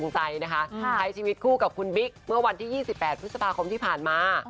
ใช้ชีวิตคู่กับคุณบิ๊กเมื่อวันที่๒๘พฤษภาคมที่ผ่านมา